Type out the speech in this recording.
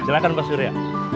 silahkan pak sirya